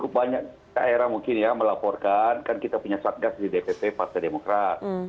banyak daerah mungkin ya melaporkan kan kita punya satgas di dpp partai demokrat